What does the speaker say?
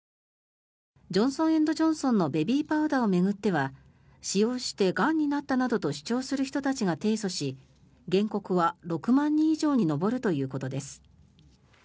ジョンソン・エンド・ジョンソンのベビーパウダーを巡っては使用して、がんになったなどと主張する人たちが提訴し原告は６万人以上に上るということです。